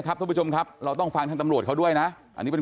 ทุกผู้ชมครับเราต้องฟังทางตำรวจเขาด้วยนะอันนี้เป็น